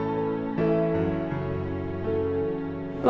dan itu semua salah gue